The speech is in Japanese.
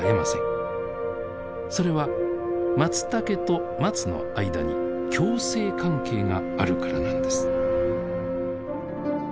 それはマツタケとマツの間に共生関係があるからなんです。